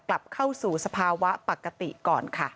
กลับเข้าสู่สภาวะปกติก่อนค่ะ